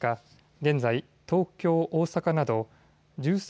現在、東京、大阪など１３